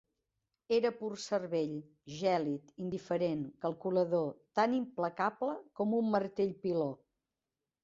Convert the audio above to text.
Era pur cervell, gèlid, indiferent, calculador, tan implacable com un martell piló.